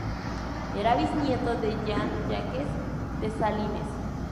Era bisnieto de Jean-Jacques Dessalines.